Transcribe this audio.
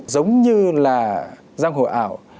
giống như là giang hồ ảo